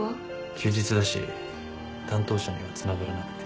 休日だし担当者にはつながらなくて。